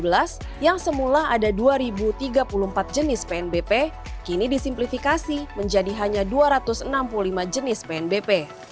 kementerian pupr yang menjadikan pp nomor tiga puluh delapan tahun dua ribu dua belas yang semula ada dua ribu tiga puluh empat jenis pnbp kini disimplifikasi menjadi hanya dua ratus enam puluh lima jenis pnbp